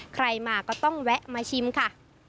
ใครมาก็ต้องแวะมาชิมค่ะ